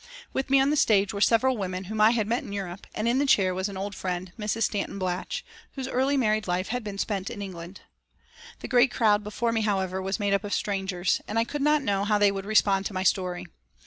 With me on the stage were several women whom I had met in Europe, and in the chair was an old friend, Mrs. Stanton Blatch, whose early married life had been spent in England. The great crowd before me, however, was made up of strangers, and I could not know how they would respond to my story.